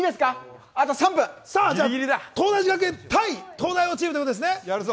東大寺学園×東大寺チームということですね。